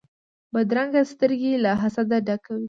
بدرنګه سترګې له حسده ډکې وي